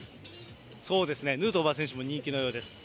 そうですね、ヌートバー選手も人気のようです。